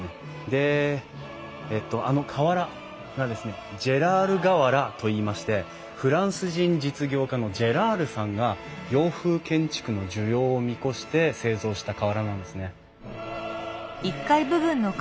でえっとあの瓦がですねジェラール瓦といいましてフランス人実業家のジェラールさんが洋風建築の需要を見越して製造した瓦なんですね。